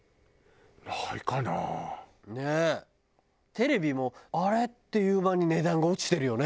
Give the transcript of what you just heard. テレビもあれ？っていう間に値段が落ちてるよね。